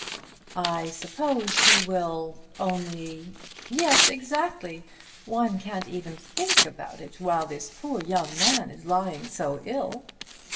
"I suppose he will only " "Yes; exactly. One can't even think about it while this poor young man is lying so ill.